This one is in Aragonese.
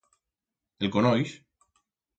El conoix?